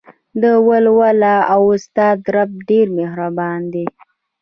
ولوله او ستا رب ډېر مهربان دى.